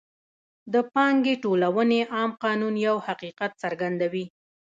د پانګې ټولونې عام قانون یو حقیقت څرګندوي